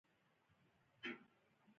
د قانون نشتون پانګوال ځوروي.